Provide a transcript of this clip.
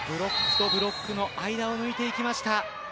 ブロックとブロックの間を抜いていきました。